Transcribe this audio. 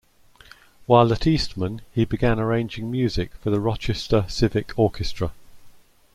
While at Eastman, he began arranging music for the Rochester Civic Orchestra.